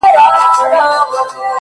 • يو خوا يې توره سي تياره ښكاريږي ـ